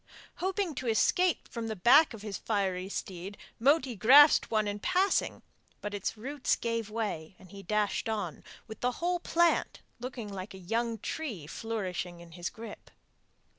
Hoping to escape from the back of his fiery steed Moti grasped one in passing, but its roots gave way, and he dashed on, with the whole plant looking like a young tree flourishing in his grip.